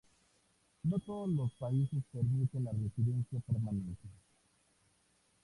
No todos los países permiten la residencia permanente.